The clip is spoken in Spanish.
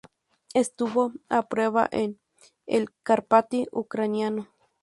Estuvo a prueba en el Karpaty ucraniano.